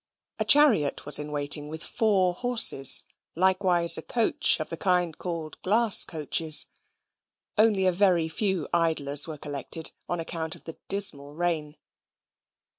A chariot was in waiting with four horses; likewise a coach of the kind called glass coaches. Only a very few idlers were collected on account of the dismal rain.